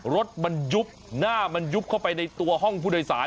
รถมันยุบหน้ามันยุบเข้าไปในตัวห้องผู้โดยสาร